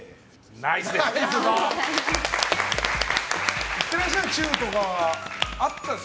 ナイスです。